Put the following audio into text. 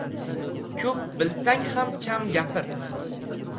• Ko‘p bilsang ham kam gapir.